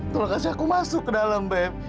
tolong kasih aku masuk ke dalam babe